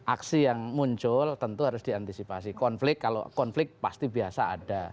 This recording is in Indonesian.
aksi yang muncul tentu harus diantisipasi konflik kalau konflik pasti biasa ada